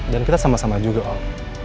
dan kita sama sama juga om